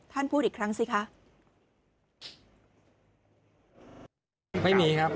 ท่านพูดอีกครั้งสิคะ